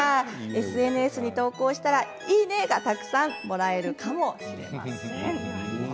ＳＮＳに投稿したら「いいね！」がたくさんもらえるかもしれません。